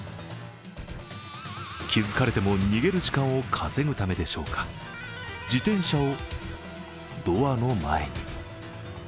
気付かれても逃げる時間を稼ぐためでしょうか、自転車をドアの前に。